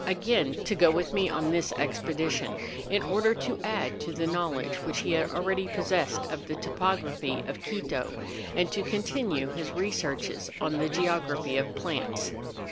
291 again to go with me on this expedition, in order to ;add to the knowledge which he already possessed of the topography of Quito, and to continue his researches on the geography of plants.